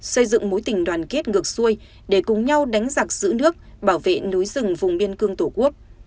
xây dựng mối tình đoàn kết ngược xuôi để cùng nhau đánh giặc giữ nước bảo vệ núi rừng vùng biên cương tổ quốc